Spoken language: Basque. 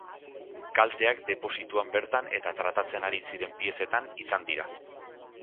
Kalteak deposituan bertan eta tratatzen ari ziren piezetan izan dira.